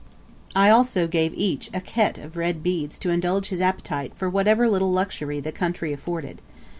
I also gave each a khete of red beads to indulge his appetite for whatever little luxury the country afforded.